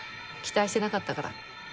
期待してなかったから。